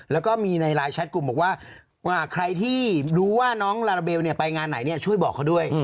แล้วก็มีในไลน์แชทกลุ่มบอกว่าใครที่รู้ว่าน้องลาลาเบลไปงานไหนช่วยบอกเขาด้วย